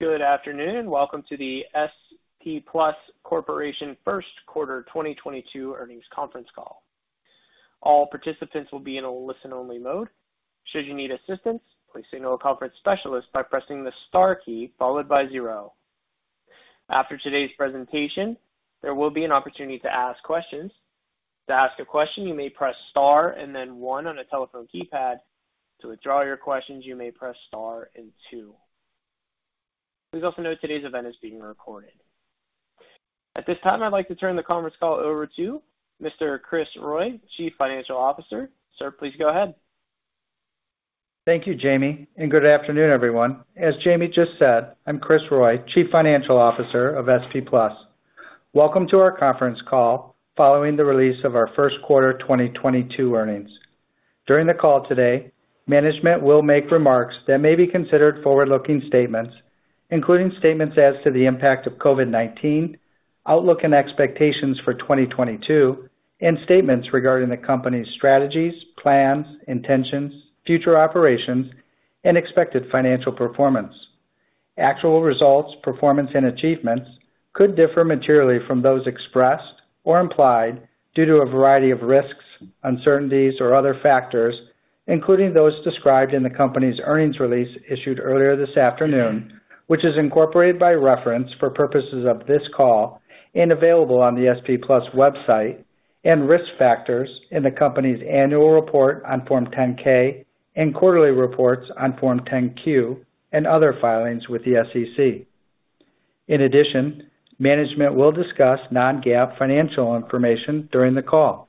Good afternoon and welcome to the SP Plus Corporation first quarter 2022 earnings conference call. All participants will be in a listen-only mode. Should you need assistance, please signal a conference specialist by pressing the star key followed by zero. After today's presentation, there will be an opportunity to ask questions. To ask a question, you may press star and then one on a telephone keypad. To withdraw your questions, you may press star and two. Please also note today's event is being recorded. At this time, I'd like to turn the conference call over to Mr. Kris Roy, Chief Financial Officer. Sir, please go ahead. Thank you, Jamie, and good afternoon, everyone. As Jamie just said, I'm Kris Roy, Chief Financial Officer of SP Plus. Welcome to our conference call following the release of our first quarter 2022 earnings. During the call today, management will make remarks that may be considered forward-looking statements, including statements as to the impact of COVID-19, outlook and expectations for 2022, and statements regarding the company's strategies, plans, intentions, future operations, and expected financial performance. Actual results, performance, and achievements could differ materially from those expressed or implied due to a variety of risks, uncertainties, or other factors, including those described in the company's earnings release issued earlier this afternoon, which is incorporated by reference for purposes of this call and available on the SP Plus website, and risk factors in the company's annual report on Form 10-K and quarterly reports on Form 10-Q and other filings with the SEC. In addition, management will discuss non-GAAP financial information during the call.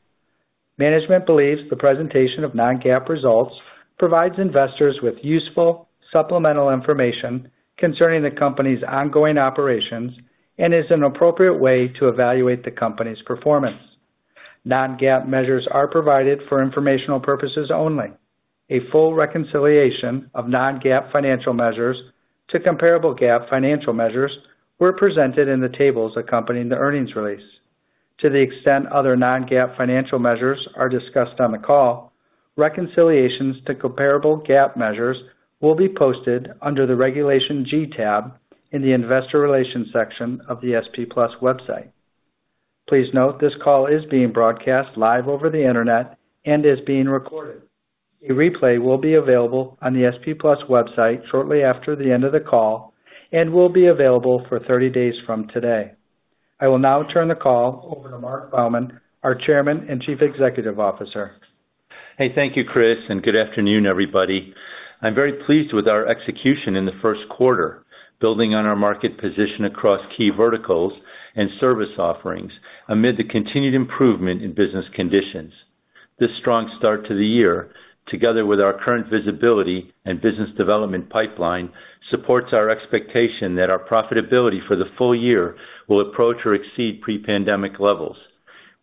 Management believes the presentation of non-GAAP results provides investors with useful supplemental information concerning the company's ongoing operations and is an appropriate way to evaluate the company's performance. Non-GAAP measures are provided for informational purposes only. A full reconciliation of non-GAAP financial measures to comparable GAAP financial measures were presented in the tables accompanying the earnings release. To the extent other non-GAAP financial measures are discussed on the call, reconciliations to comparable GAAP measures will be posted under the Regulation G tab in the Investor Relations section of the SP Plus website. Please note this call is being broadcast live over the Internet and is being recorded. A replay will be available on the SP Plus website shortly after the end of the call and will be available for 30 days from today. I will now turn the call over to Marc Baumann, our Chairman and Chief Executive Officer. Hey, thank you, Kris, and good afternoon, everybody. I'm very pleased with our execution in the first quarter, building on our market position across key verticals and service offerings amid the continued improvement in business conditions. This strong start to the year, together with our current visibility and business development pipeline, supports our expectation that our profitability for the full year will approach or exceed pre-pandemic levels.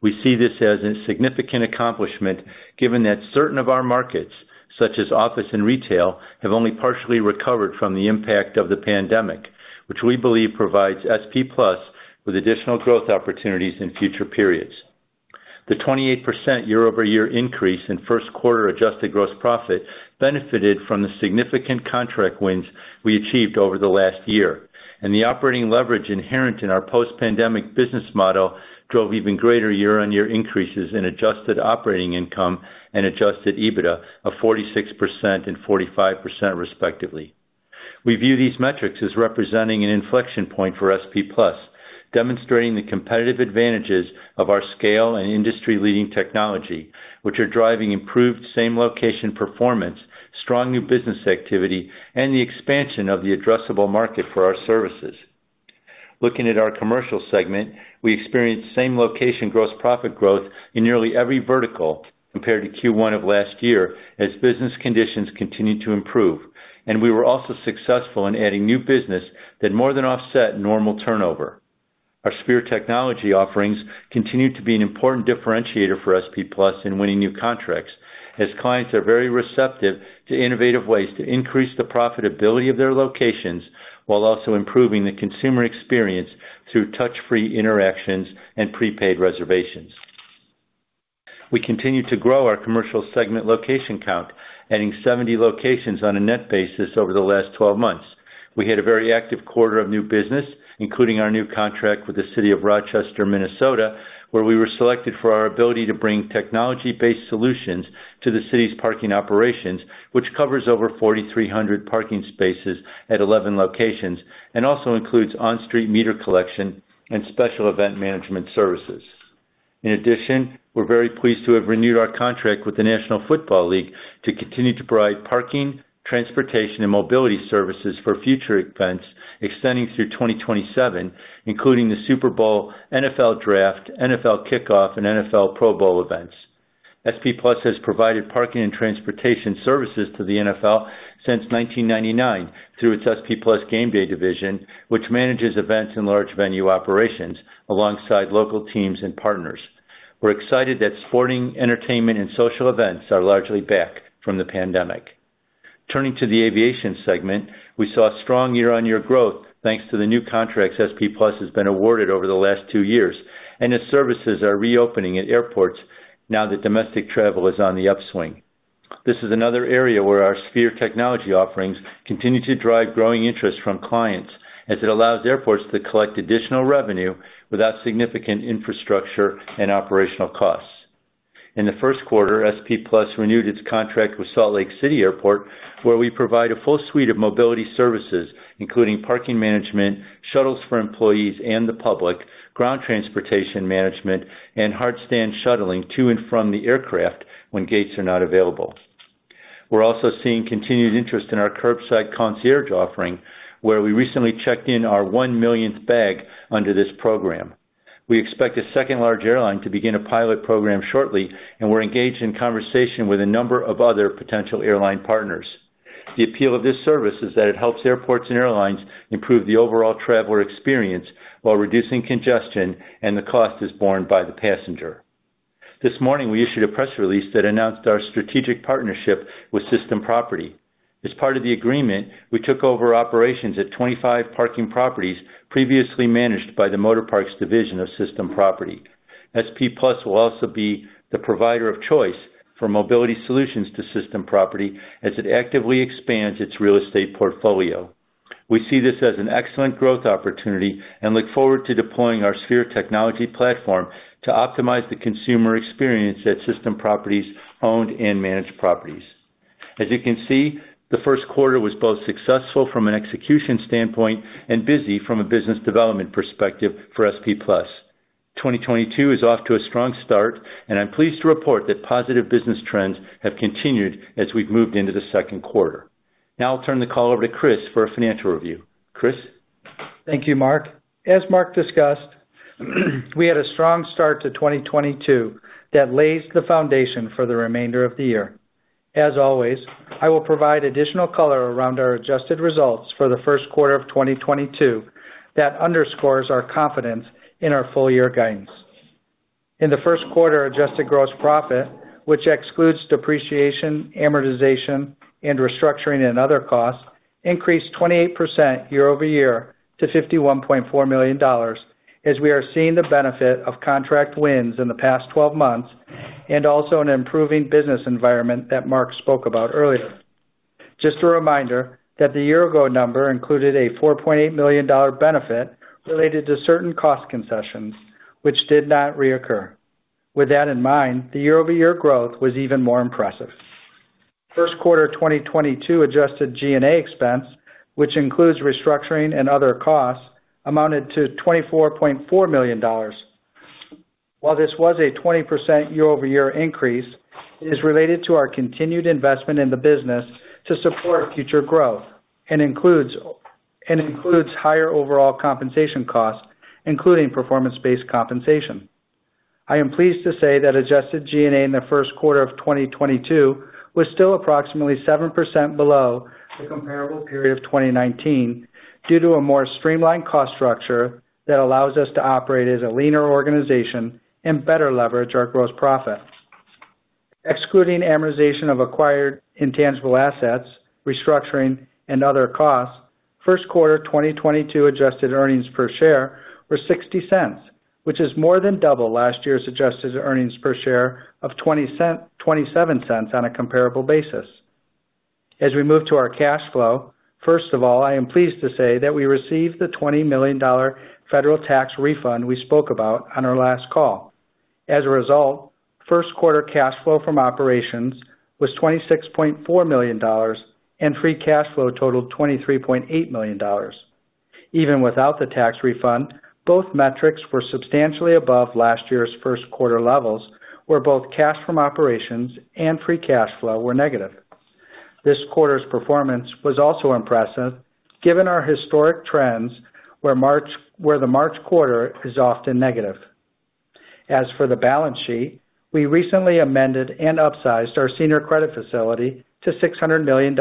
We see this as a significant accomplishment, given that certain of our markets, such as office and retail, have only partially recovered from the impact of the pandemic, which we believe provides SP Plus with additional growth opportunities in future periods. The 28% year-over-year increase in first quarter adjusted gross profit benefited from the significant contract wins we achieved over the last year. The operating leverage inherent in our post-pandemic business model drove even greater year-on-year increases in adjusted operating income and adjusted EBITDA of 46% and 45% respectively. We view these metrics as representing an inflection point for SP Plus, demonstrating the competitive advantages of our scale- and industry-leading technology, which are driving improved same-location performance, strong new business activity, and the expansion of the addressable market for our services. Looking at our commercial segment, we experienced same-location gross profit growth in nearly every vertical compared to Q1 of last year as business conditions continued to improve. We were also successful in adding new business that more than offset normal turnover. Our Sphere technology offerings continued to be an important differentiator for SP Plus in winning new contracts, as clients are very receptive to innovative ways to increase the profitability of their locations while also improving the consumer experience through touch-free interactions and prepaid reservations. We continue to grow our commercial segment location count, adding 70 locations on a net basis over the last 12 months. We had a very active quarter of new business, including our new contract with the city of Rochester, Minnesota, where we were selected for our ability to bring technology-based solutions to the city's parking operations, which covers over 4,300 parking spaces at 11 locations and also includes on-street meter collection and special event management services. In addition, we're very pleased to have renewed our contract with the National Football League to continue to provide parking, transportation, and mobility services for future events extending through 2027, including the Super Bowl, NFL Draft, NFL Kickoff, and NFL Pro Bowl events. SP Plus has provided parking and transportation services to the NFL since 1999 through its SP+ Gameday division, which manages events and large venue operations alongside local teams and partners. We're excited that sporting, entertainment, and social events are largely back from the pandemic. Turning to the aviation segment, we saw strong year-on-year growth thanks to the new contracts SP Plus has been awarded over the last two years, and its services are reopening at airports now that domestic travel is on the upswing. This is another area where our Sphere technology offerings continue to drive growing interest from clients, as it allows airports to collect additional revenue without significant infrastructure and operational costs. In the first quarter, SP Plus renewed its contract with Salt Lake City Airport, where we provide a full suite of mobility services, including parking management, shuttles for employees and the public, ground transportation management, and hardstand shuttling to and from the aircraft when gates are not available. We're also seeing continued interest in our Curbside Concierge offering, where we recently checked in our one-millionth bag under this program. We expect a second large airline to begin a pilot program shortly, and we're engaged in conversation with a number of other potential airline partners. The appeal of this service is that it helps airports and airlines improve the overall traveler experience while reducing congestion, and the cost is borne by the passenger. This morning, we issued a press release that announced our strategic partnership with System Property. As part of the agreement, we took over operations at 25 parking properties previously managed by the Motor Parks division of System Property. SP Plus will also be the provider of choice for mobility solutions to System Property as it actively expands its real estate portfolio. We see this as an excellent growth opportunity and look forward to deploying our Sphere technology platform to optimize the consumer experience at System Property's owned and managed properties. As you can see, the first quarter was both successful from an execution standpoint and busy from a business development perspective for SP Plus. 2022 is off to a strong start, and I'm pleased to report that positive business trends have continued as we've moved into the second quarter. Now I'll turn the call over to Kris for a financial review. Kris? Thank you, Marc. As Marc discussed, we had a strong start to 2022 that lays the foundation for the remainder of the year. As always, I will provide additional color around our adjusted results for the first quarter of 2022 that underscores our confidence in our full-year guidance. In the first quarter, adjusted gross profit, which excludes depreciation, amortization, and restructuring and other costs, increased 28% year-over-year to $51.4 million, as we are seeing the benefit of contract wins in the past 12 months and also an improving business environment that Marc spoke about earlier. Just a reminder that the year-ago number included a $4.8 million benefit related to certain cost concessions which did not reoccur. With that in mind, the year-over-year growth was even more impressive. First quarter 2022 adjusted G&A expense, which includes restructuring and other costs, amounted to $24.4 million. While this was a 20% year-over-year increase, it is related to our continued investment in the business to support future growth and includes higher overall compensation costs, including performance-based compensation. I am pleased to say that adjusted G&A in the first quarter of 2022 was still approximately 7% below the comparable period of 2019 due to a more streamlined cost structure that allows us to operate as a leaner organization and better leverage our gross profit. Excluding amortization of acquired intangible assets, restructuring, and other costs, first quarter 2022 adjusted earnings per share were $0.60, which is more than double last year's adjusted earnings per share of $0.27 on a comparable basis. As we move to our cash flow, first of all, I am pleased to say that we received the $20 million federal tax refund we spoke about on our last call. As a result, first quarter cash flow from operations was $26.4 million, and free cash flow totaled $23.8 million. Even without the tax refund, both metrics were substantially above last year's first quarter levels, where both cash from operations and free cash flow were negative. This quarter's performance was also impressive given our historic trends, where the March quarter is often negative. As for the balance sheet, we recently amended and upsized our senior credit facility to $600 million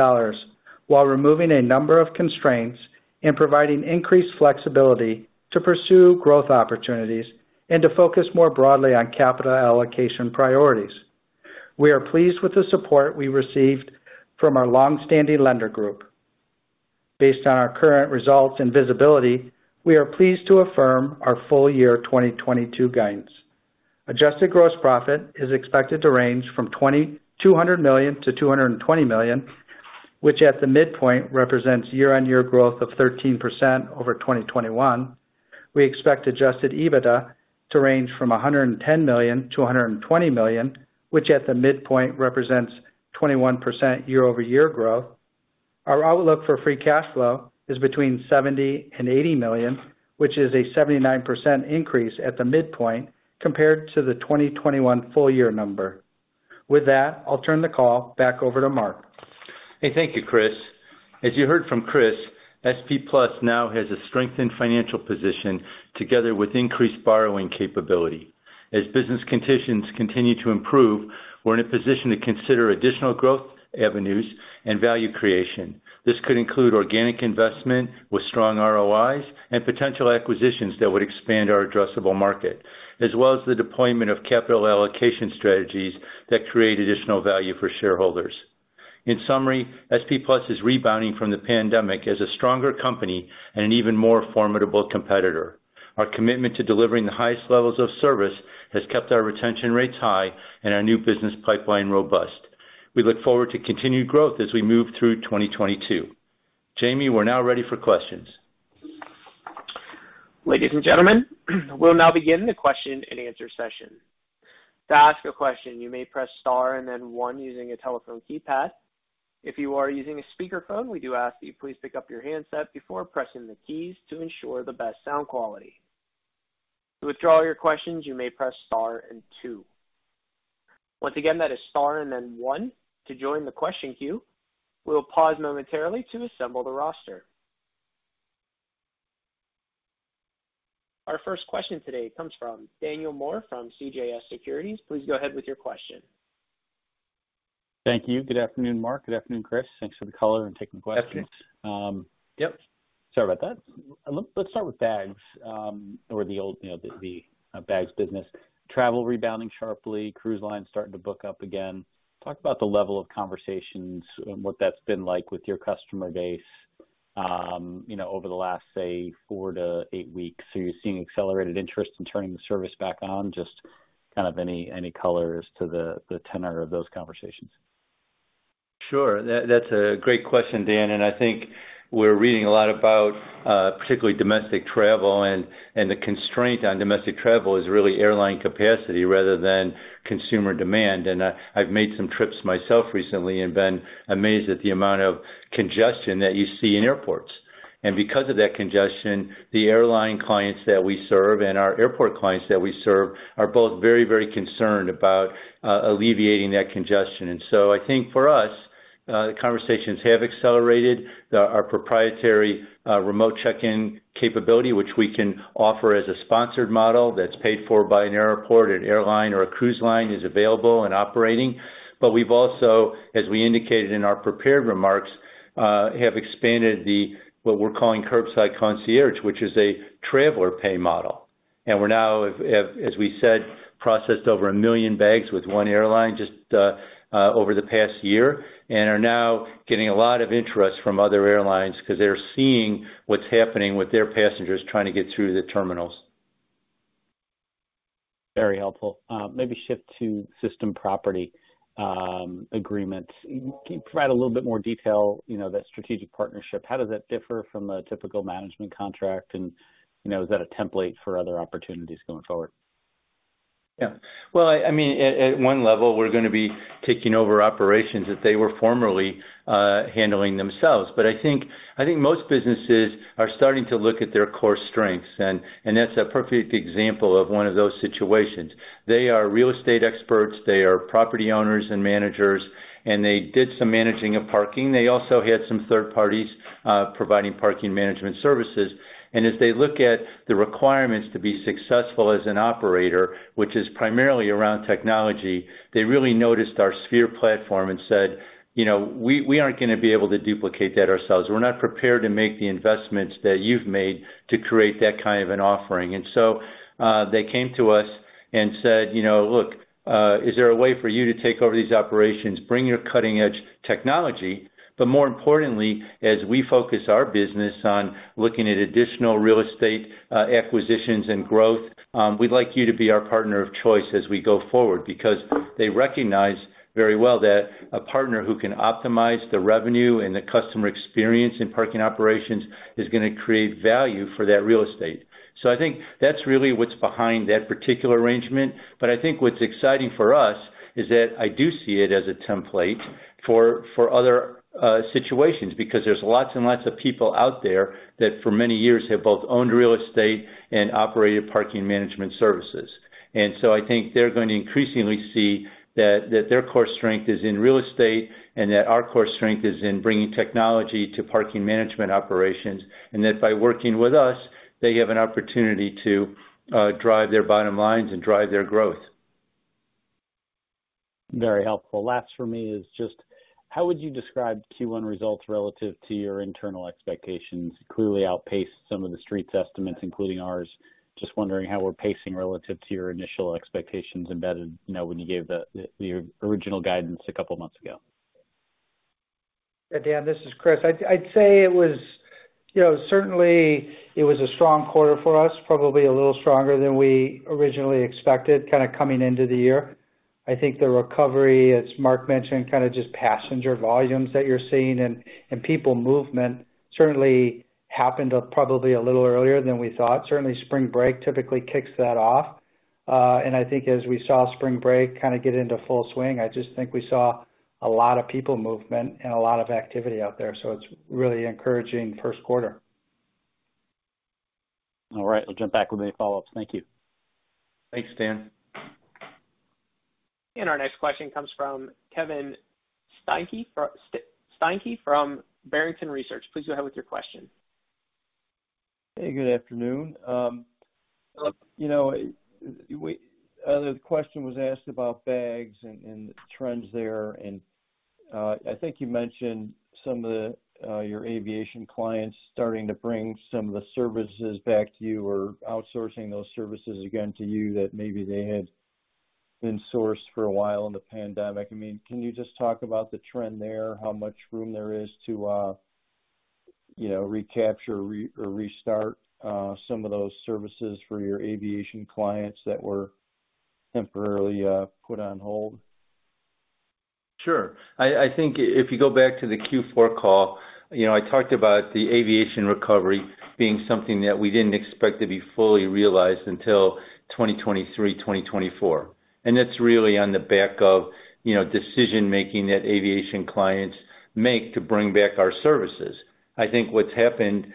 while removing a number of constraints and providing increased flexibility to pursue growth opportunities and to focus more broadly on capital allocation priorities. We are pleased with the support we received from our long-standing lender group. Based on our current results and visibility, we are pleased to affirm our full-year 2022 guidance. Adjusted gross profit is expected to range from $200 million-$220 million, which at the midpoint represents year-on-year growth of 13% over 2021. We expect adjusted EBITDA to range from $110 million-$120 million, which at the midpoint represents 21% year-over-year growth. Our outlook for free cash flow is between $70 million and $80 million, which is a 79% increase at the midpoint compared to the 2021 full year number. With that, I'll turn the call back over to Marc. Hey, thank you, Kris. As you heard from Kris, SP Plus now has a strengthened financial position together with increased borrowing capability. As business conditions continue to improve, we're in a position to consider additional growth avenues and value creation. This could include organic investment with strong ROIs and potential acquisitions that would expand our addressable market, as well as the deployment of capital allocation strategies that create additional value for shareholders. In summary, SP Plus is rebounding from the pandemic as a stronger company and an even more formidable competitor. Our commitment to delivering the highest levels of service has kept our retention rates high and our new business pipeline robust. We look forward to continued growth as we move through 2022. Jamie, we're now ready for questions. Ladies and gentlemen, we'll now begin the question-and-answer session. To ask a question, you may press star and then one using your telephone keypad. If you are using a speakerphone, we do ask that you please pick up your handset before pressing the keys to ensure the best sound quality. To withdraw your questions, you may press star and two. Once again, that is star and then one to join the question queue. We'll pause momentarily to assemble the roster. Our first question today comes from Daniel Moore from CJS Securities. Please go ahead with your question. Thank you. Good afternoon, Marc. Good afternoon, Kris. Thanks for the color and taking the questions. Sorry about that. Let's start with bags, or the old, you know, the bags business. Travel rebounding sharply, cruise lines starting to book up again. Talk about the level of conversations and what that's been like with your customer base, you know, over the last, say, four-eight weeks. Are you seeing accelerated interest in turning the service back on? Just kind of any color as to the tenor of those conversations. That's a great question, Dan, and I think we're reading a lot about particularly domestic travel and the constraint on domestic travel is really airline capacity rather than consumer demand. I've made some trips myself recently and been amazed at the amount of congestion that you see in airports. Because of that congestion, the airline clients that we serve and our airport clients that we serve are both very, very concerned about alleviating that congestion. I think for us the conversations have accelerated. Our proprietary remote check-in capability, which we can offer as a sponsored model that's paid for by an airport, an airline, or a cruise line, is available and operating. We've also, as we indicated in our prepared remarks, have expanded what we're calling Curbside Concierge, which is a traveler pay model. We're now, as we said, processed over 1 million bags with one airline just over the past year, and are now getting a lot of interest from other airlines because they're seeing what's happening with their passengers trying to get through the terminals. Very helpful. Maybe shift to System Property agreements. Can you provide a little bit more detail, you know, that strategic partnership, how does that differ from a typical management contract? You know, is that a template for other opportunities going forward? Yeah. Well, I mean, at one level, we're gonna be taking over operations that they were formerly handling themselves. I think most businesses are starting to look at their core strengths, and that's a perfect example of one of those situations. They are real estate experts, they are property owners and managers, and they did some managing of parking. They also had some third parties providing parking management services. As they look at the requirements to be successful as an operator, which is primarily around technology, they really noticed our Sphere platform and said, "You know, we aren't gonna be able to duplicate that ourselves. We're not prepared to make the investments that you've made to create that kind of an offering." They came to us and said, you know, "Look, is there a way for you to take over these operations, bring your cutting-edge technology? But more importantly, as we focus our business on looking at additional real estate, acquisitions and growth, we'd like you to be our partner of choice as we go forward." Because they recognize very well that a partner who can optimize the revenue and the customer experience in parking operations is gonna create value for that real estate. I think that's really what's behind that particular arrangement. I think what's exciting for us is that I do see it as a template for other situations, because there's lots and lots of people out there that for many years have both owned real estate and operated parking management services. I think they're going to increasingly see that their core strength is in real estate and that our core strength is in bringing technology to parking management operations, and that by working with us, they have an opportunity to drive their bottom lines and drive their growth. Very helpful. Last for me is just how would you describe Q1 results relative to your internal expectations? Clearly outpaced some of the street's estimates, including ours. Just wondering how we're pacing relative to your initial expectations embedded, you know, when you gave your original guidance a couple of months ago. Dan, this is Kris. I'd say it was, you know, certainly a strong quarter for us, probably a little stronger than we originally expected, kind of coming into the year. I think the recovery, as Marc mentioned, kind of just passenger volumes that you're seeing and people movement certainly happened, probably a little earlier than we thought. Certainly, spring break typically kicks that off. I think as we saw spring break kind of get into full swing, I just think we saw a lot of people movement and a lot of activity out there. It's really encouraging first quarter. All right. I'll jump back with any follow-ups. Thank you. Thanks, Dan. Our next question comes from Kevin Steinke from Barrington Research. Please go ahead with your question. Hey, good afternoon. You know, the question was asked about bags and the trends there, and I think you mentioned some of your aviation clients starting to bring some of the services back to you or outsourcing those services again to you that maybe they had been sourced for a while in the pandemic. I mean, can you just talk about the trend there, how much room there is to, you know, recapture or restart some of those services for your aviation clients that were temporarily put on hold? Sure. I think if you go back to the Q4 call, you know, I talked about the aviation recovery being something that we didn't expect to be fully realized until 2023, 2024. That's really on the back of, you know, decision-making that aviation clients make to bring back our services. I think what's happened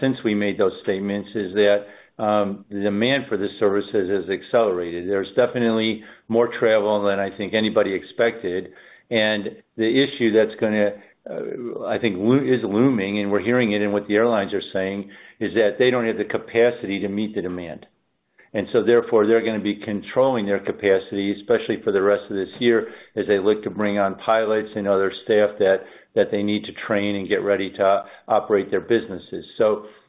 since we made those statements is that the demand for the services has accelerated. There's definitely more travel than I think anybody expected, and the issue that's gonna, I think, is looming, and we're hearing it in what the airlines are saying, is that they don't have the capacity to meet the demand. Therefore, they're gonna be controlling their capacity, especially for the rest of this year, as they look to bring on pilots and other staff that they need to train and get ready to operate their businesses.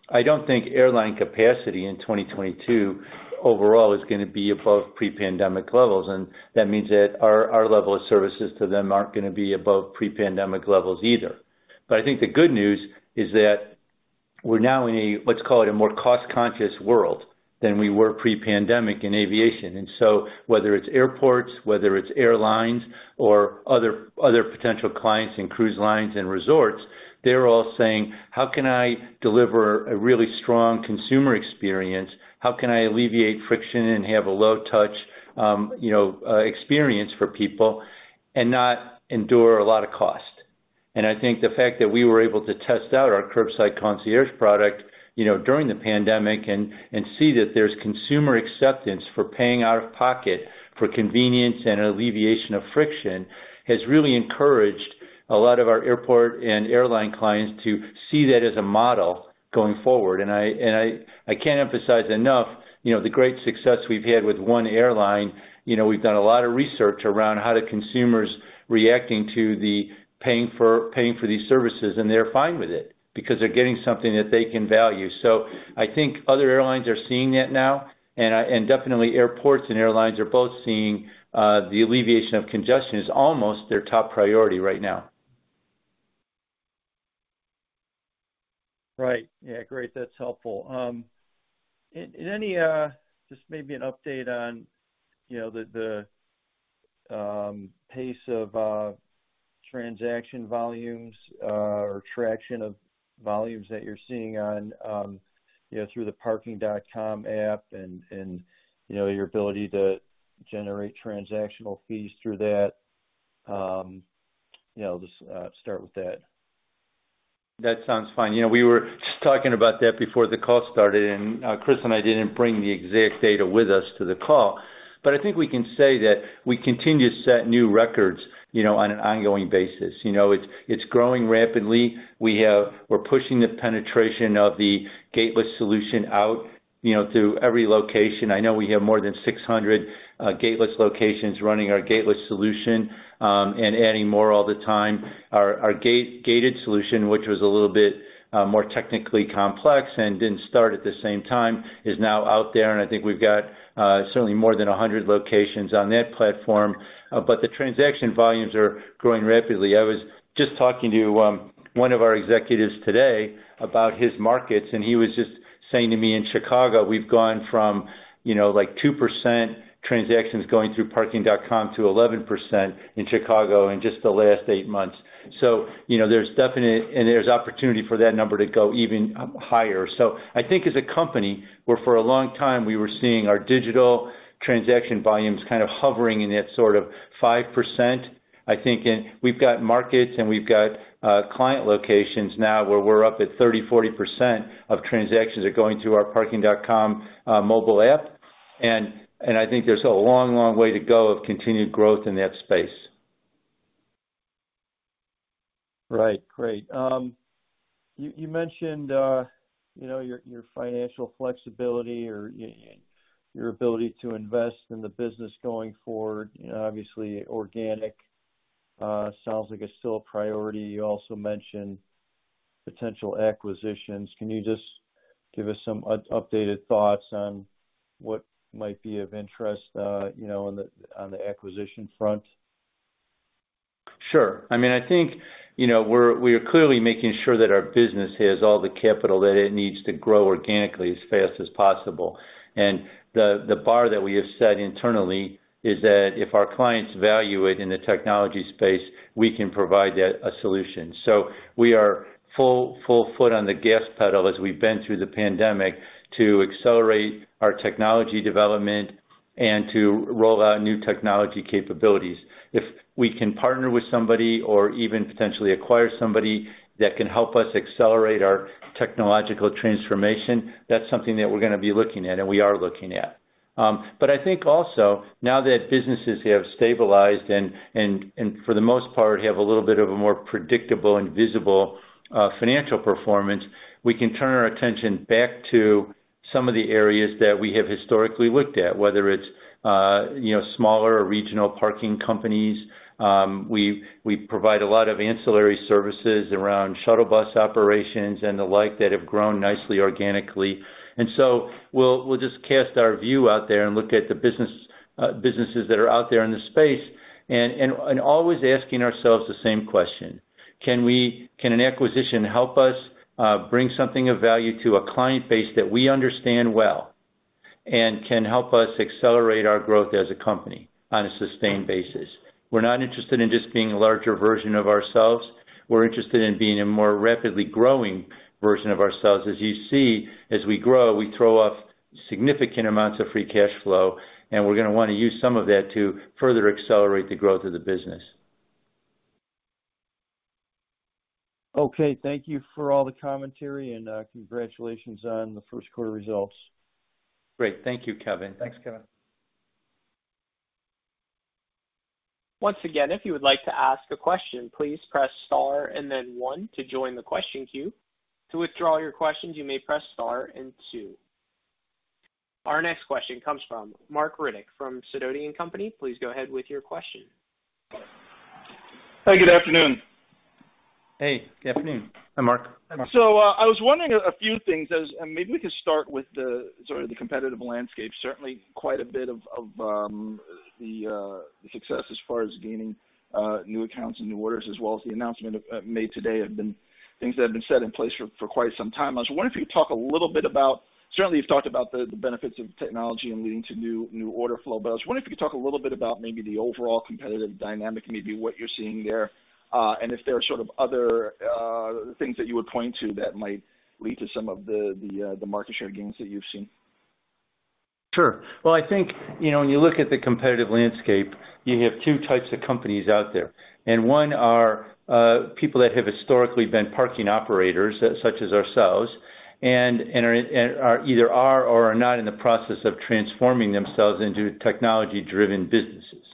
I don't think airline capacity in 2022 overall is gonna be above pre-pandemic levels, and that means that our level of services to them aren't gonna be above pre-pandemic levels either. I think the good news is that we're now in a, let's call it, a more cost-conscious world than we were pre-pandemic in aviation. Whether it's airports, whether it's airlines or other potential clients in cruise lines and resorts, they're all saying, "How can I deliver a really strong consumer experience? How can I alleviate friction and have a low touch, you know, experience for people and not endure a lot of cost?" I think the fact that we were able to test out our Curbside Concierge product, you know, during the pandemic and see that there's consumer acceptance for paying out-of-pocket for convenience and alleviation of friction, has really encouraged a lot of our airport and airline clients to see that as a model going forward. I can't emphasize enough, you know, the great success we've had with one airline. You know, we've done a lot of research around how the consumer's reacting to paying for these services, and they're fine with it because they're getting something that they can value. I think other airlines are seeing that now. Definitely airports and airlines are both seeing the alleviation of congestion is almost their top priority right now. Right. Yeah, great. That's helpful. Any just maybe an update on, you know, the pace of transaction volumes or traction of volumes that you're seeing on, you know, through the Parking.com app and, you know, your ability to generate transactional fees through that. You know, just start with that. That sounds fine. You know, we were just talking about that before the call started, and Kris and I didn't bring the exact data with us to the call. I think we can say that we continue to set new records, you know, on an ongoing basis. You know, it's growing rapidly. We're pushing the penetration of the gateless solution out, you know, through every location. I know we have more than 600 gateless locations running our gateless solution, and adding more all the time. Our gated solution, which was a little bit more technically complex and didn't start at the same time, is now out there, and I think we've got certainly more than 100 locations on that platform. The transaction volumes are growing rapidly. I was just talking to one of our executives today about his markets, and he was just saying to me, in Chicago, we've gone from, you know, like 2% transactions going through Parking.com to 11% in Chicago in just the last eight months. You know, there's definite and there's opportunity for that number to go even higher. I think as a company, where for a long time we were seeing our digital transaction volumes kind of hovering in that sort of 5%, we've got markets and we've got client locations now where we're up at 30%, 40% of transactions are going through our Parking.com mobile app. I think there's a long, long way to go of continued growth in that space. Right. Great. You mentioned, you know, your financial flexibility or your ability to invest in the business going forward. You know, obviously, organic sounds like it's still a priority. You also mentioned potential acquisitions. Can you just give us some updated thoughts on what might be of interest, you know, on the acquisition front? Sure. I mean, I think, you know, we're clearly making sure that our business has all the capital that it needs to grow organically as fast as possible. The bar that we have set internally is that if our clients value it in the technology space, we can provide that solution. We are full foot on the gas pedal as we've been through the pandemic to accelerate our technology development and to roll out new technology capabilities. If we can partner with somebody or even potentially acquire somebody that can help us accelerate our technological transformation, that's something that we're gonna be looking at and we are looking at. I think also now that businesses have stabilized and for the most part have a little bit of a more predictable and visible financial performance, we can turn our attention back to some of the areas that we have historically looked at, whether it's you know smaller regional parking companies. We provide a lot of ancillary services around shuttle bus operations and the like that have grown nicely organically. We'll just cast our view out there and look at the businesses that are out there in the space and always asking ourselves the same question: Can an acquisition help us bring something of value to a client base that we understand well and can help us accelerate our growth as a company on a sustained basis? We're not interested in just being a larger version of ourselves. We're interested in being a more rapidly growing version of ourselves. As you see, as we grow, we throw off significant amounts of free cash flow, and we're gonna wanna use some of that to further accelerate the growth of the business. Okay. Thank you for all the commentary, and congratulations on the first quarter results. Great. Thank you, Kevin. Thanks, Kevin. Once again, if you would like to ask a question, please press star and then one to join the question queue. To withdraw your questions, you may press star and two. Our next question comes from Marc Riddick from Sidoti & Company. Please go ahead with your question. Hi, good afternoon. Hey, good afternoon. Hi, Marc. I was wondering a few things and maybe we could start with sort of the competitive landscape. Certainly quite a bit of the success as far as gaining new accounts and new orders, as well as the announcement made today have been things that have been set in place for quite some time. I was wondering if you could talk a little bit about, certainly you've talked about the benefits of technology and leading to new order flow, but I was wondering if you could talk a little bit about maybe the overall competitive dynamic, maybe what you're seeing there, and if there are sort of other things that you would point to that might lead to some of the market share gains that you've seen. Sure. Well, I think, you know, when you look at the competitive landscape, you have two types of companies out there, and one are people that have historically been parking operators, such as ourselves, and are either are or are not in the process of transforming themselves into technology-driven businesses.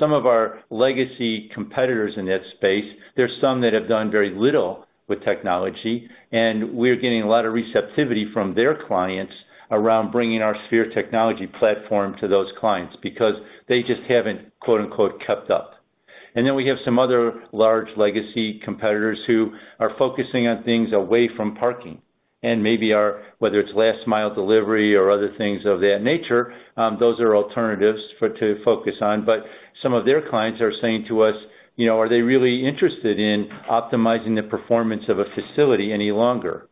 Some of our legacy competitors in that space, there are some that have done very little with technology, and we're getting a lot of receptivity from their clients around bringing our Sphere technology platform to those clients because they just haven't, quote-unquote, kept up. We have some other large legacy competitors who are focusing on things away from parking and maybe are, whether it's last mile delivery or other things of that nature, those are alternatives to focus on. Some of their clients are saying to us, you know, are they really interested in optimizing the performance of a facility any longer?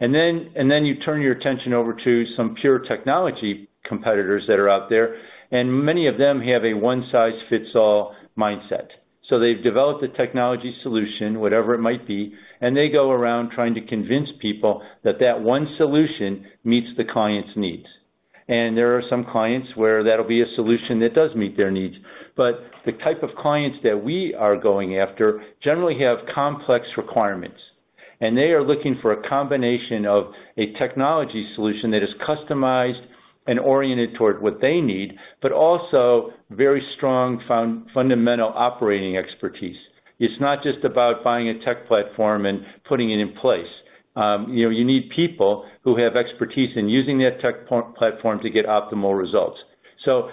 Then you turn your attention over to some pure technology competitors that are out there, and many of them have a one-size-fits-all mindset. They've developed a technology solution, whatever it might be, and they go around trying to convince people that that one solution meets the client's needs. There are some clients where that'll be a solution that does meet their needs. The type of clients that we are going after generally have complex requirements, and they are looking for a combination of a technology solution that is customized and oriented toward what they need, but also very strong fundamental operating expertise. It's not just about buying a tech platform and putting it in place. You know, you need people who have expertise in using that tech platform to get optimal results.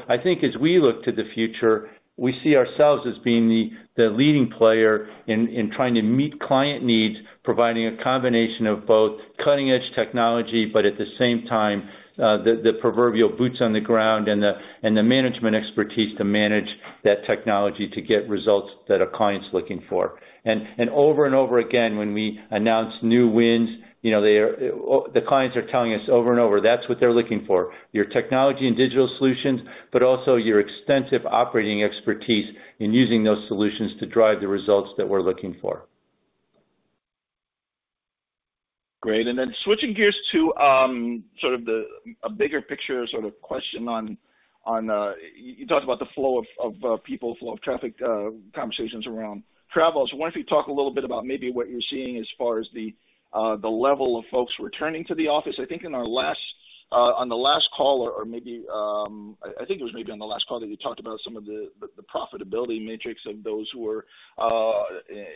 I think as we look to the future, we see ourselves as being the leading player in trying to meet client needs, providing a combination of both cutting-edge technology, but at the same time, the proverbial boots on the ground and the management expertise to manage that technology to get results that a client's looking for. Over and over again, when we announce new wins, you know, the clients are telling us over and over, that's what they're looking for, your technology and digital solutions, but also your extensive operating expertise in using those solutions to drive the results that we're looking for. Great. Then switching gears to sort of a bigger picture sort of question on, you talked about the flow of people, flow of traffic, conversations around travel. I wonder if you could talk a little bit about maybe what you're seeing as far as the level of folks returning to the office. I think on the last call maybe it was on the last call that you talked about some of the profitability matrix of those who are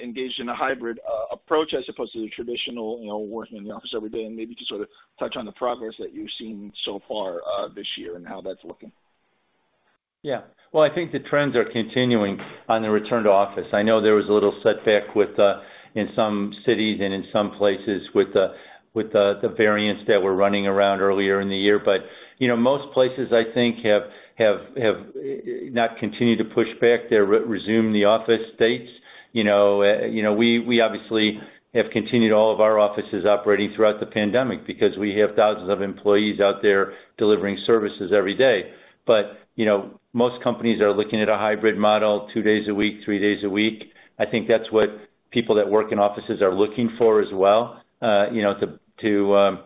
engaged in a hybrid approach as opposed to the traditional, you know, working in the office every day, and maybe just sort of touch on the progress that you've seen so far this year and how that's looking. Yeah. Well, I think the trends are continuing on the return to office. I know there was a little setback with in some cities and in some places with the variants that were running around earlier in the year. You know, most places, I think, have not continued to push back their resume in the office dates. You know, we obviously have continued all of our offices operating throughout the pandemic because we have thousands of employees out there delivering services every day. You know, most companies are looking at a hybrid model two days a week, three days a week. I think that's what people that work in offices are looking for as well, you know, to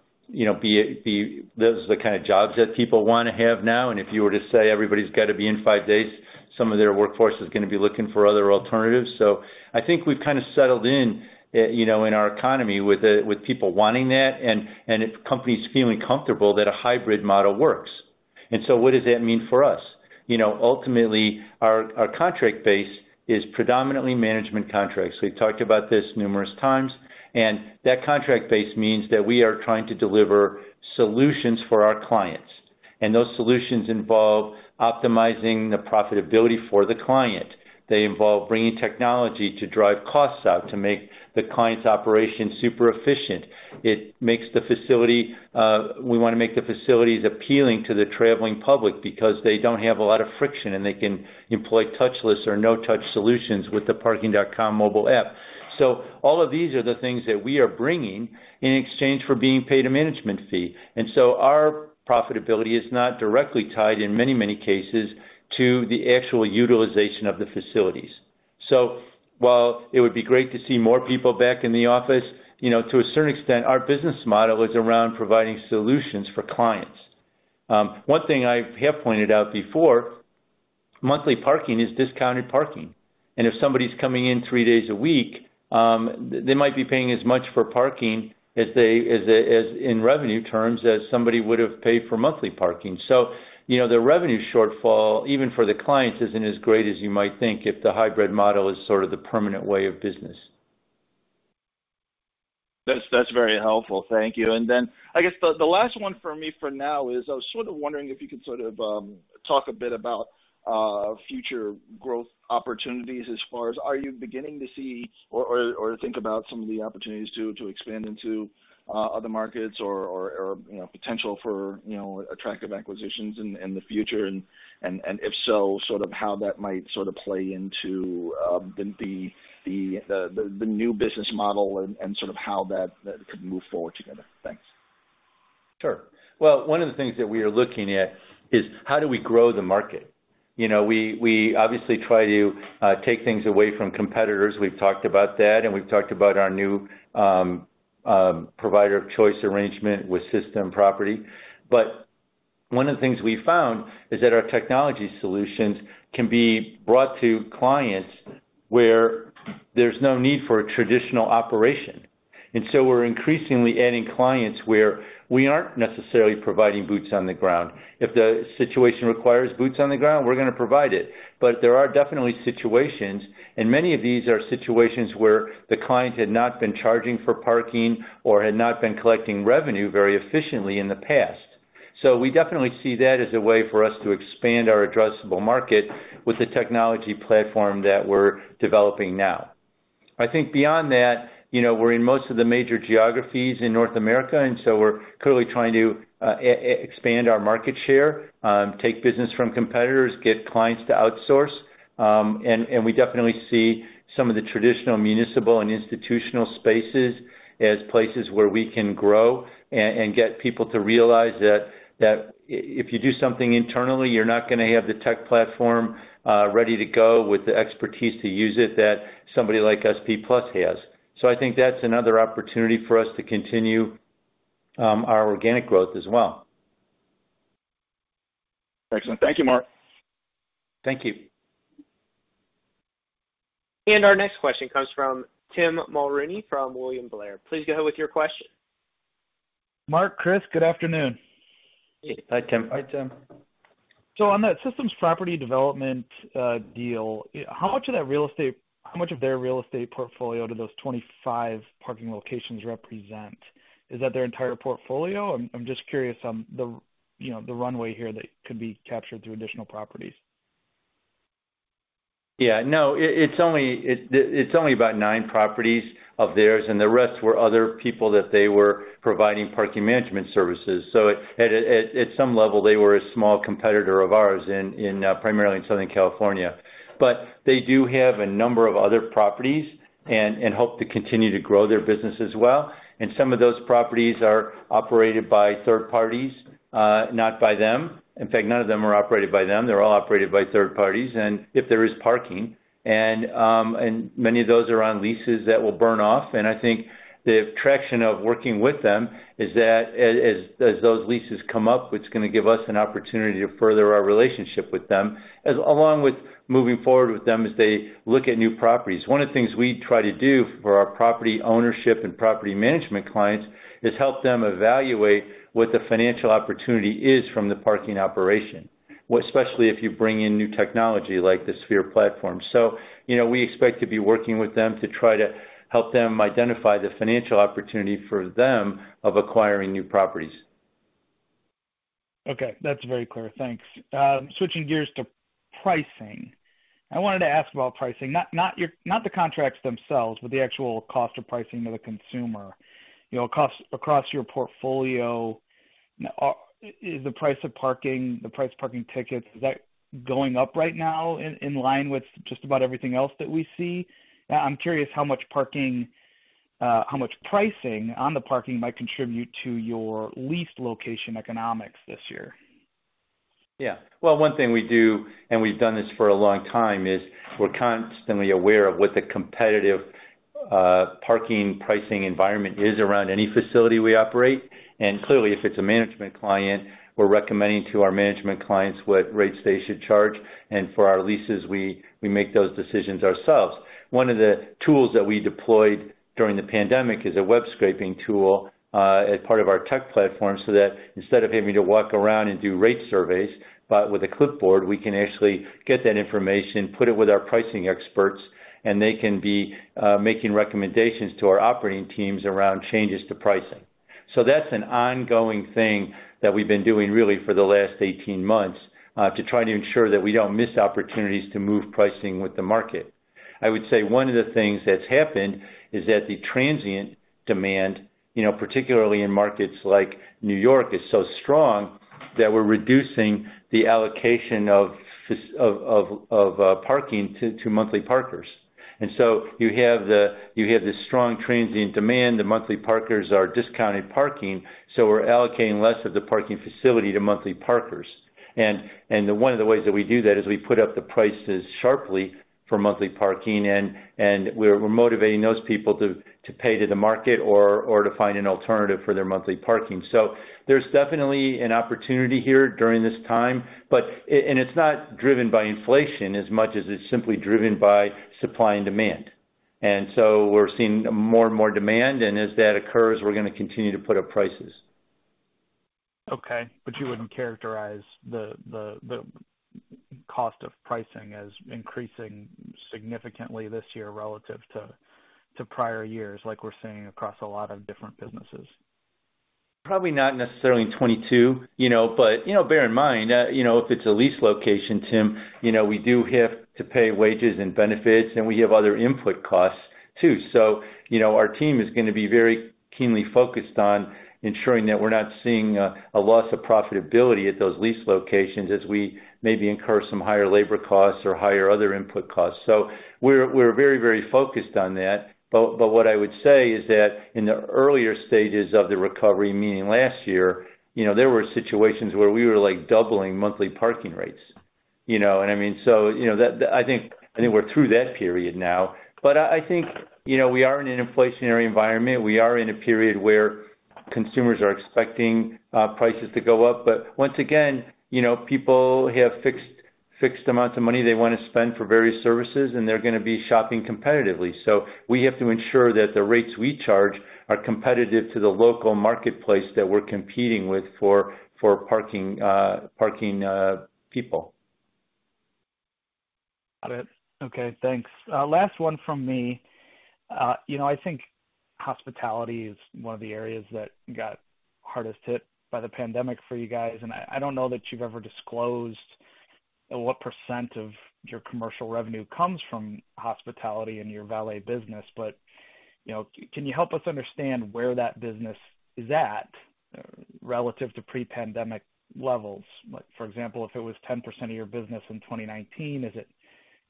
be those are the kind of jobs that people wanna have now. If you were to say everybody's gotta be in five days, some of their workforce is gonna be looking for other alternatives. I think we've kinda settled in, you know, in our economy with people wanting that and companies feeling comfortable that a hybrid model works. What does that mean for us? You know, ultimately, our contract base is predominantly management contracts. We've talked about this numerous times, and that contract base means that we are trying to deliver solutions for our clients. Those solutions involve optimizing the profitability for the client. They involve bringing technology to drive costs out to make the client's operation super efficient. It makes the facility, we wanna make the facilities appealing to the traveling public because they don't have a lot of friction, and they can employ touchless or no-touch solutions with the Parking.com mobile app. All of these are the things that we are bringing in exchange for being paid a management fee. Our profitability is not directly tied, in many, many cases, to the actual utilization of the facilities. While it would be great to see more people back in the office, you know, to a certain extent, our business model is around providing solutions for clients. One thing I have pointed out before, monthly parking is discounted parking. If somebody's coming in three days a week, they might be paying as much for parking as they, as in revenue terms as somebody would have paid for monthly parking. You know, the revenue shortfall, even for the clients, isn't as great as you might think if the hybrid model is sort of the permanent way of business. That's very helpful. Thank you. Then I guess the last one for me for now is I was sort of wondering if you could sort of talk a bit about future growth opportunities as far as are you beginning to see or think about some of the opportunities to expand into other markets or you know potential for you know attractive acquisitions in the future? If so, sort of how that might sort of play into the new business model and sort of how that could move forward together? Thanks. Sure. Well, one of the things that we are looking at is how do we grow the market? You know, we obviously try to take things away from competitors. We've talked about that, and we've talked about our new provider of choice arrangement with System Property. But one of the things we found is that our technology solutions can be brought to clients where there's no need for a traditional operation. We're increasingly adding clients where we aren't necessarily providing boots on the ground. If the situation requires boots on the ground, we're gonna provide it. But there are definitely situations, and many of these are situations where the client had not been charging for parking or had not been collecting revenue very efficiently in the past. We definitely see that as a way for us to expand our addressable market with the technology platform that we're developing now. I think beyond that, we're in most of the major geographies in North America, and so we're clearly trying to expand our market share, take business from competitors, get clients to outsource. We definitely see some of the traditional municipal and institutional spaces as places where we can grow and get people to realize that if you do something internally, you're not gonna have the tech platform ready to go with the expertise to use it that somebody like SP Plus has. I think that's another opportunity for us to continue our organic growth as well. Excellent. Thank you, Marc. Thank you. Our next question comes from Tim Mulrooney from William Blair. Please go ahead with your question. Marc, Kris, good afternoon. Hi, Tim. Hi, Tim. On that System Property development deal, how much of their real estate portfolio do those 25 parking locations represent? Is that their entire portfolio? I'm just curious on the, you know, the runway here that could be captured through additional properties. Yeah. No, it's only about nine properties of theirs, and the rest were other people that they were providing parking management services. At some level, they were a small competitor of ours in primarily in Southern California. They do have a number of other properties and hope to continue to grow their business as well. Some of those properties are operated by third parties, not by them. In fact, none of them are operated by them. They're all operated by third parties. If there is parking, and many of those are on leases that will burn off. I think the attraction of working with them is that as those leases come up, it's gonna give us an opportunity to further our relationship with them as well as moving forward with them as they look at new properties. One of the things we try to do for our property ownership and property management clients is help them evaluate what the financial opportunity is from the parking operation, especially if you bring in new technology like the Sphere platform. You know, we expect to be working with them to try to help them identify the financial opportunity for them of acquiring new properties. Okay. That's very clear. Thanks. Switching gears to pricing. I wanted to ask about pricing, not the contracts themselves, but the actual cost of pricing to the consumer. You know, cost across your portfolio. Is the price of parking, the price of parking tickets, is that going up right now in line with just about everything else that we see? I'm curious how much pricing on the parking might contribute to your lease location economics this year. Yeah. Well, one thing we do, and we've done this for a long time, is we're constantly aware of what the competitive parking pricing environment is around any facility we operate. Clearly, if it's a management client, we're recommending to our management clients what rates they should charge. For our leases, we make those decisions ourselves. One of the tools that we deployed during the pandemic is a web scraping tool, as part of our tech platform, so that instead of having to walk around and do rate surveys, but with a clipboard, we can actually get that information, put it with our pricing experts, and they can be making recommendations to our operating teams around changes to pricing. That's an ongoing thing that we've been doing really for the last 18 months, to try to ensure that we don't miss opportunities to move pricing with the market. I would say one of the things that's happened is that the transient demand, you know, particularly in markets like New York, is so strong that we're reducing the allocation of parking to monthly parkers. You have this strong transient demand. The monthly parkers are discounted parking, so we're allocating less of the parking facility to monthly parkers. One of the ways that we do that is we put up the prices sharply for monthly parking, and we're motivating those people to pay to the market or to find an alternative for their monthly parking. There's definitely an opportunity here during this time. It's not driven by inflation as much as it's simply driven by supply and demand. We're seeing more and more demand, and as that occurs, we're gonna continue to put up prices. Okay. You wouldn't characterize the cost of pricing as increasing significantly this year relative to prior years, like we're seeing across a lot of different businesses? Probably not necessarily in 2022, you know. You know, bear in mind, you know, if it's a lease location, Tim, you know, we do have to pay wages and benefits, and we have other input costs too. Our team is gonna be very keenly focused on ensuring that we're not seeing a loss of profitability at those lease locations as we maybe incur some higher labor costs or higher other input costs. We're very, very focused on that. What I would say is that in the earlier stages of the recovery, meaning last year, you know, there were situations where we were like doubling monthly parking rates, you know? I mean, so, you know, that I think we're through that period now. I think, you know, we are in an inflationary environment. We are in a period where consumers are expecting prices to go up. Once again, you know, people have fixed amounts of money they wanna spend for various services, and they're gonna be shopping competitively. We have to ensure that the rates we charge are competitive to the local marketplace that we're competing with for parking people. Got it. Okay, thanks. Last one from me. You know, I think hospitality is one of the areas that got hardest hit by the pandemic for you guys, and I don't know that you've ever disclosed what percent of your commercial revenue comes from hospitality and your valet business, but you know, can you help us understand where that business is at relative to pre-pandemic levels? Like for example, if it was 10% of your business in 2019, is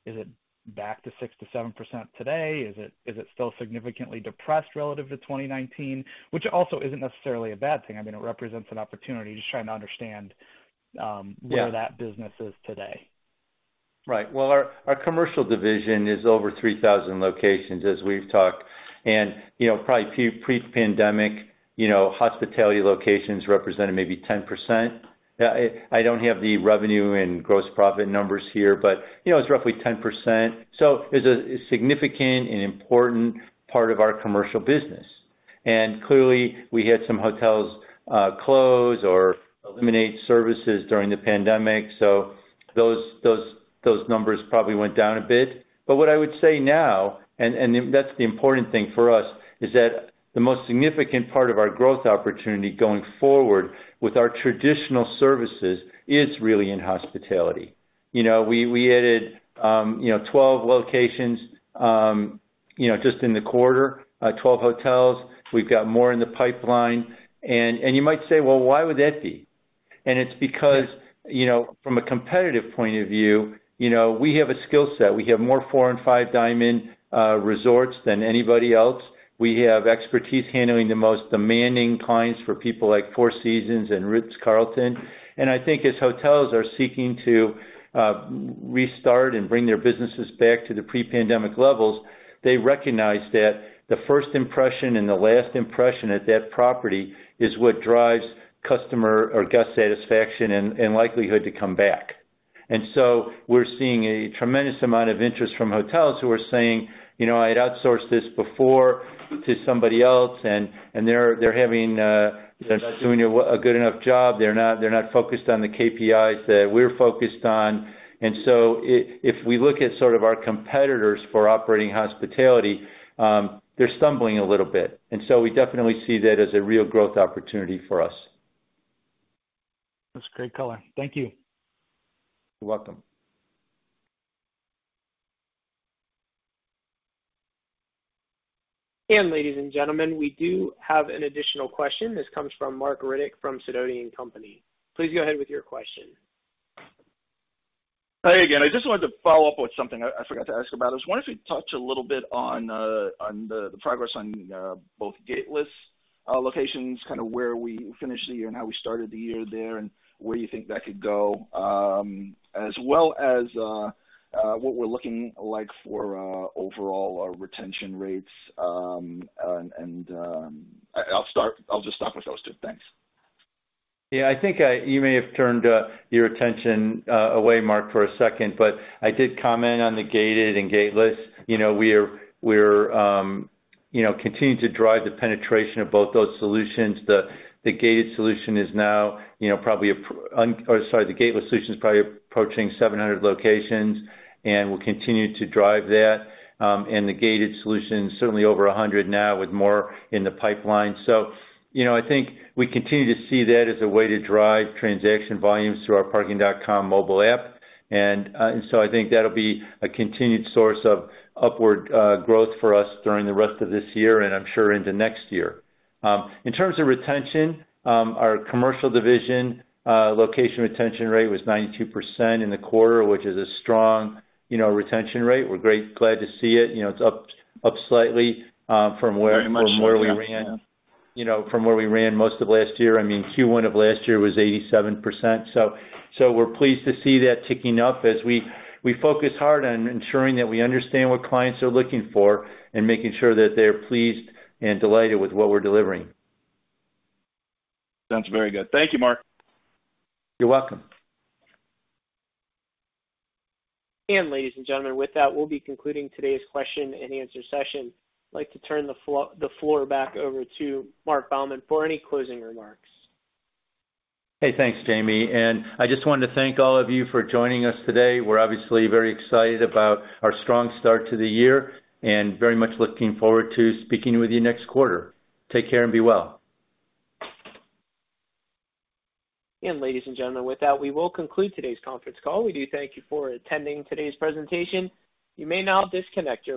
it back to 6%-7% today? Is it still significantly depressed relative to 2019? Which also isn't necessarily a bad thing. I mean, it represents an opportunity. Just trying to understand where that business is today. Right. Well, our commercial division is over 3,000 locations, as we've talked. You know, probably pre-pandemic, you know, hospitality locations represented maybe 10%. I don't have the revenue and gross profit numbers here, but, you know, it's roughly 10%, so it's a significant and important part of our commercial business. Clearly, we had some hotels close or eliminate services during the pandemic, so those numbers probably went down a bit. But what I would say now, and that's the important thing for us, is that the most significant part of our growth opportunity going forward with our traditional services is really in hospitality. You know, we added, you know, 12 locations, you know, just in the quarter, 12 hotels. We've got more in the pipeline. You might say, "Well, why would that be?" It's because, you know, from a competitive point of view, you know, we have a skill set. We have more four- and five-diamond resorts than anybody else. We have expertise handling the most demanding clients for people like Four Seasons and Ritz-Carlton. I think as hotels are seeking to restart and bring their businesses back to the pre-pandemic levels, they recognize that the first impression and the last impression at that property is what drives customer or guest satisfaction and likelihood to come back. We're seeing a tremendous amount of interest from hotels who are saying, you know, "I'd outsourced this before to somebody else, and they're not doing a good enough job. They're not focused on the KPIs that we're focused on. If we look at sort of our competitors for operating hospitality, they're stumbling a little bit. We definitely see that as a real growth opportunity for us. That's great color. Thank you. You're welcome. Ladies and gentlemen, we do have an additional question. This comes from Marc Riddick from Sidoti & Company. Please go ahead with your question. Hi again. I just wanted to follow up with something I forgot to ask about. I was wondering if you'd touch a little bit on the progress on both gateless locations, kind of where we finished the year and how we started the year there, and where you think that could go. As well as what we're looking like for overall retention rates. And I'll just start with those two. Thanks. Yeah, I think you may have turned your attention away, Marc, for a second, but I did comment on the gated and gateless. You know, we're you know continuing to drive the penetration of both those solutions. The gateless solution is now, you know, probably approaching 700 locations, and we'll continue to drive that. The gated solution certainly over 100 now with more in the pipeline. You know, I think we continue to see that as a way to drive transaction volumes through our Parking.com mobile app. I think that'll be a continued source of upward growth for us during the rest of this year, and I'm sure into next year. In terms of retention, our commercial division location retention rate was 92% in the quarter, which is a strong, you know, retention rate. We're glad to see it. You know, it's up slightly from where From where we ran, you know, most of last year. I mean, Q1 of last year was 87%. We're pleased to see that ticking up as we focus hard on ensuring that we understand what clients are looking for and making sure that they're pleased and delighted with what we're delivering. Sounds very good. Thank you, Marc. You're welcome. Ladies and gentlemen, with that, we'll be concluding today's question and answer session. I'd like to turn the floor back over to Marc Baumann for any closing remarks. Hey, thanks, Jamie. I just wanted to thank all of you for joining us today. We're obviously very excited about our strong start to the year and very much looking forward to speaking with you next quarter. Take care and be well. Ladies and gentlemen, with that, we will conclude today's conference call. We do thank you for attending today's presentation. You may now disconnect your lines.